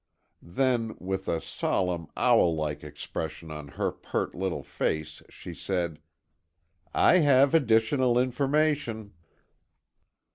Then, with a solemn, owl like expression on her pert little face, she said, "I have additional information."